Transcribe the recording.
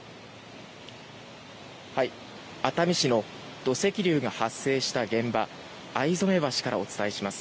熱海市の土石流が発生した現場逢初橋からお伝えします。